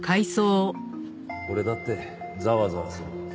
俺だってざわざわする。